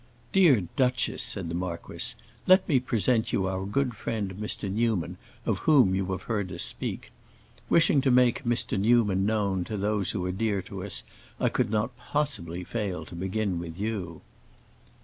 "Dear duchess," said the marquis, "let me present you our good friend Mr. Newman, of whom you have heard us speak. Wishing to make Mr. Newman known to those who are dear to us, I could not possibly fail to begin with you."